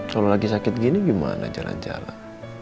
kalau lagi sakit gini gimana jalan jalan